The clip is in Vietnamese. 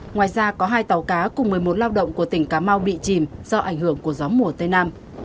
ngoài ra có hai tàu cá cùng một mươi một lao động của tỉnh cà mau bị chìm do ảnh hưởng của gió mùa tây nam